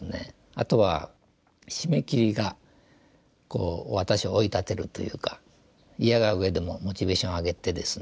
あとは締め切りが私を追い立てるというかいやが上でもモチベーションを上げてですね